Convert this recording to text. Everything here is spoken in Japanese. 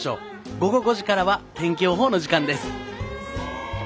午後５時からは天気予報の時間です。